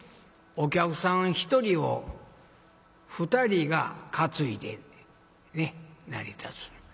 お客さん１人を２人が担いで成り立つ。